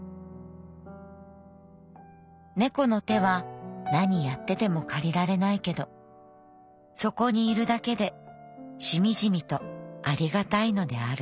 猫の手は何やってても借りられないけどそこにいるだけでしみじみと有り難いのである」。